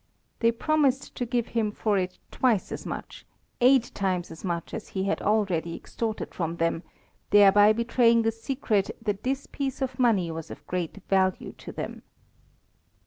They promised to give him for it twice as much, eight times as much as he had already extorted from them, thereby betraying the secret that this piece of money was of great value to them.